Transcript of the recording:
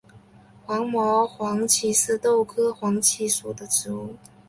棉毛黄耆是豆科黄芪属的植物。